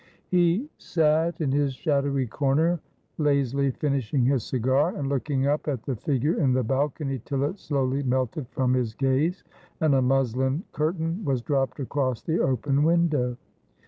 He sat in his shadowy corner, lazily finishing his cigar, and looking up at the figure in the balcony till it slowly melted from his gaze, and a muslin curtain was dropped across the open win dow.